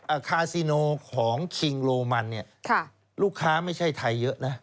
อ่าของเนี้ยค่ะลูกค้าไม่ใช่ไทยเยอะนะ